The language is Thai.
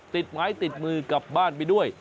ติดไม้ติดมือกลับบ้านไปด้วย